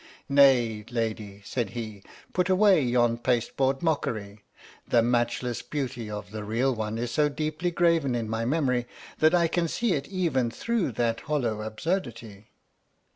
" Nay, lady," said he, " put away yon pasteboard mockery. The matchless beauty of the real one is so deeply graven in my memory that I can see it even through that hollow absurdity."